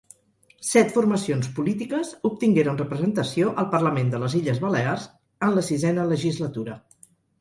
Set formacions polítiques obtingueren representació al Parlament de les Illes Balears en la Sisena Legislatura.